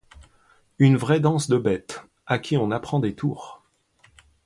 Une vraie danse de bête à qui on apprend des tours.